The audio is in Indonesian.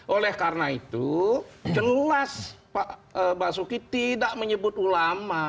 oleh karena itu jelas pak basuki tidak menyebut ulama